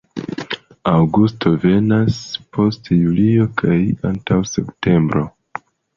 Aŭgusto venas post julio kaj antaŭ septembro.